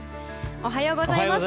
おはようございます。